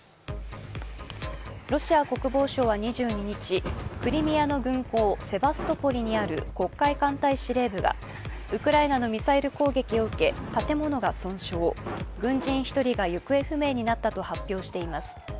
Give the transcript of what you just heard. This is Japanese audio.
ロシア国防省は２２日、クリミアの軍港セバストポリにある黒海艦隊司令部がウクライナのミサイル攻撃を受け建物が損傷、軍人１人が行方不明になったと発表しています。